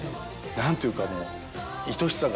何ていうかもう。